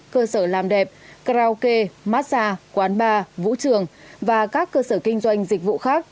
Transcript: cơ sở làm đẹp karaoke massage quán bar vũ trường và các cơ sở kinh doanh dịch vụ khác